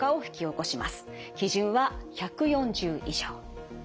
基準は１４０以上。